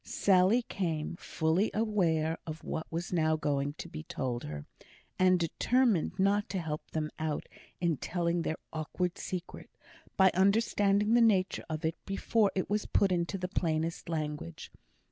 Sally came, fully aware of what was now going to be told her, and determined not to help them out in telling their awkward secret, by understanding the nature of it before it was put into the plainest language.